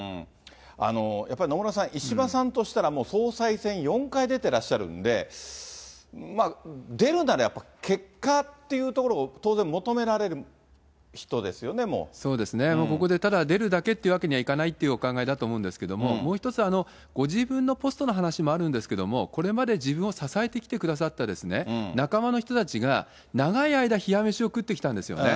やっぱり野村さん、石破さんとしたら、もう総裁選４回出てらっしゃるんで、出るならやっぱ結果というところを当然求められるそうですね、ここでただ出るだけというわけにはいかないっていうお考えだと思うんですけど、もう１つ、ご自分のポストの話もあるんですけれども、これまで自分を支えてきてくださった仲間の人たちが、長い間冷や飯を食ってきたんですよね。